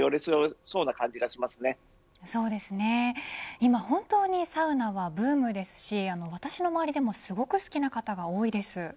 そうですね、今本当にサウナはブームですし私の周りでもすごく好きな方が多いです。